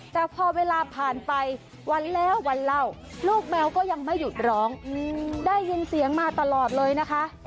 แต่พอเวลาผ่านไปวันแล้ววันเล่าลูกแมวก็ยังไม่หยุดร้องได้ยินเสียงมาตลอดเลยนะคะ